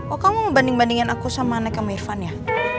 oh kamu mau banding bandingin aku sama anaknya om irfan ya